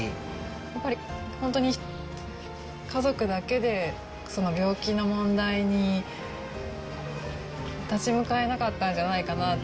やっぱり、本当に家族だけでその病気の問題に立ち向かえなかったんじゃない